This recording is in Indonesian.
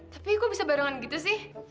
tapi kok bisa barengan gitu sih